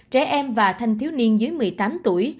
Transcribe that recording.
trẻ em và thanh thiếu niên dưới một mươi tám tuổi